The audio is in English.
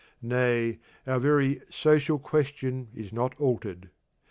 Nay, our very 'social question' is not altered.